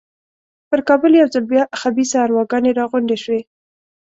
پر کابل یو ځل بیا خبیثه ارواګانې را غونډې شوې.